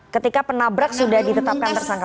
ketika penabrak sudah ditetapkan tersangka